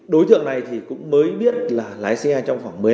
đối tượng này thì cũng mới biết là lái xe trong khoảng